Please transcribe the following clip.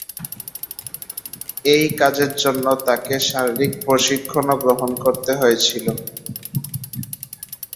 এই কাজের জন্য তাঁকে শারীরিক প্রশিক্ষণও গ্রহণ করতে হয়েছিল।